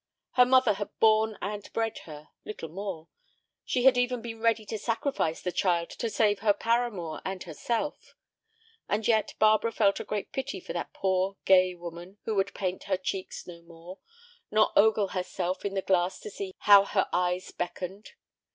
Her mother had borne and bred her, little more; she had even been ready to sacrifice the child to save her paramour and herself; and yet Barbara felt a great pity for that poor, gay woman who would paint her cheeks no more, nor ogle herself in the glass to see how her eyes beckoned.